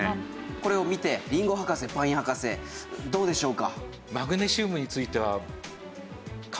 これを見てりんご博士パイン博士どうでしょうか？